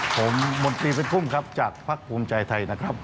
ผมมนตรีเป็นภูมิครับจากภักดิ์ภูมิใจไทยนะครับ